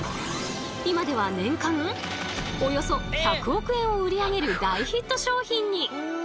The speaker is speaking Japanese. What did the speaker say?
今では年間およそ１００億円を売り上げる大ヒット商品に！